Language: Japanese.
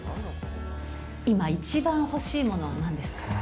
今壱番欲しいものはなんです